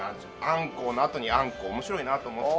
あんこうのあとにあんこ面白いなと思って。